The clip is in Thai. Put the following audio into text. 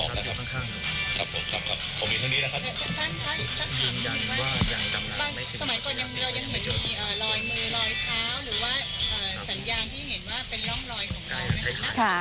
หรือว่าสัญญาณที่เห็นว่าเป็นย้อมรอยของเรา